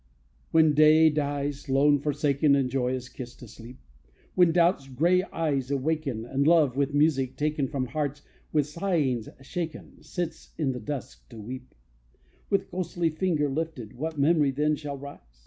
When day dies, lone, forsaken, And joy is kissed asleep; When doubt's gray eyes awaken, And love, with music taken From hearts with sighings shaken, Sits in the dusk to weep: With ghostly lifted finger What memory then shall rise?